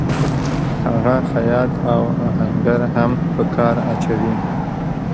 هغه خیاط او آهنګر هم په کار اچوي